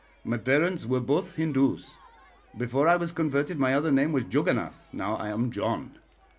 "My parents were both Hindoos. Before I was converted my other name was Juggonath; now I am John.